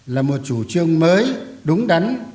là một chủ trương mới đúng đắn